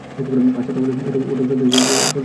আচ্ছা, তাহলে ওটাও চলতি হিসাবে দিয়ে দিন।